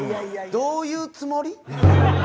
「どういうつもり」？